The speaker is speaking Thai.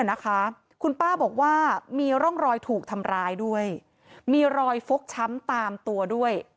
นะคะคุณป้าบอกว่ามีร่องรอยถูกทำร้ายด้วยมีรอยฟกช้ำตามตัวด้วย